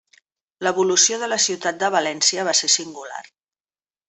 L'evolució de la ciutat de València va ser singular.